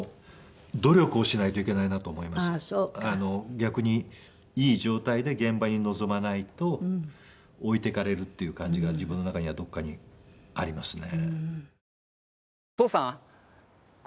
逆にいい状態で現場に臨まないと置いていかれるっていう感じが自分の中にはどこかにありますね。